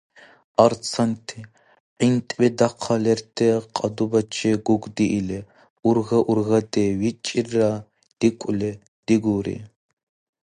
Арцанти, гӀинтӀби дахъал лерти кьадубачи гугдиили, урга-ургади вичӀирра дикӀули, дугулри.